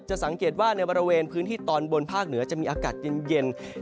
สังเกตว่าในบริเวณพื้นที่ตอนบนภาคเหนือจะมีอากาศเย็น